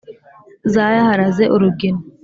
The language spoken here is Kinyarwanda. Zayaharaze urugina